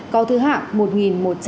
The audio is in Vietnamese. có thứ hạng một nghìn một trăm bảy mươi sáu